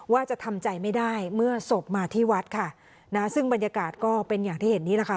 ว่าจะทำใจไม่ได้เมื่อศพมาที่วัดค่ะนะซึ่งบรรยากาศก็เป็นอย่างที่เห็นนี่แหละค่ะ